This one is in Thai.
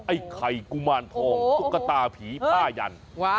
ไอ้ไข่กุมารทองตุ๊กตาผีผ้ายัน